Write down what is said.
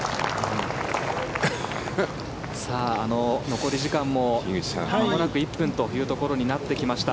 残り時間もまもなく１分というところになってきました。